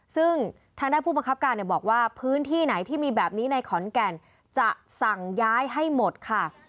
ซึ่งทางด้านผู้บังคับการบอกว่าพื้นที่ไหนที่มีแบบนี้ในขอนแก่นจะสั่งย้ายให้หมดค่ะ